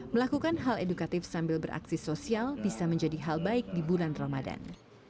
melakukan hal edukatif sambil beraksi sosial bisa menjadi hal baik di bulan ramadan